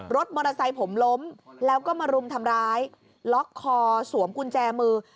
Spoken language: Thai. รถมอเตอร์ไซค์ผมล้มแล้วก็มารุมทำร้ายล็อกคอสวมกุญแจมือ